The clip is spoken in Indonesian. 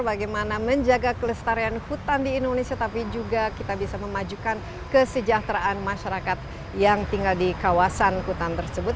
bagaimana menjaga kelestarian hutan di indonesia tapi juga kita bisa memajukan kesejahteraan masyarakat yang tinggal di kawasan hutan tersebut